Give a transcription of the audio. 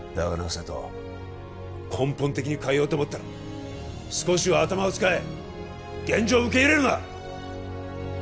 瀬戸根本的に変えようと思ったら少しは頭を使え現状を受け入れるな！